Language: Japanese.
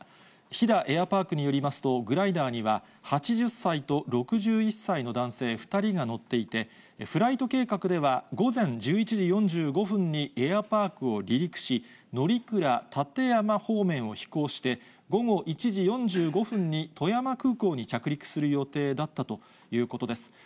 飛騨エアパークによりますと、グライダーには８０歳と６１歳の男性２人が乗っていて、フライト計画では、午前１１時４５分にエアパークを離陸し、乗鞍・立山方面を飛行して、午後１時４５分に富山空港に着陸する予定だったということです。